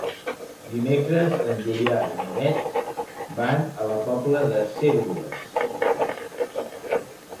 Dimecres en Julià i na Beth van a la Pobla de Cérvoles.